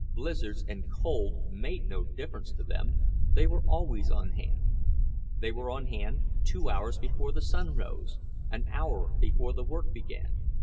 Blizzards and cold made no difference to them, they were always on hand; they were on hand two hours before the sun rose, an hour before the work began.